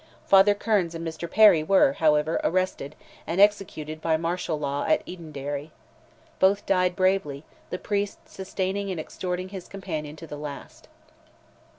Father Kearns and Mr. Perry were, however, arrested, and executed by martial law at Edenderry. Both died bravely; the priest sustaining and exhorting his companion to the last.